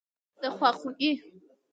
دخوا خوګۍ